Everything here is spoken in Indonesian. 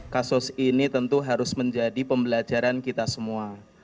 kasus ini tentu harus menjadi pembelajaran kita semua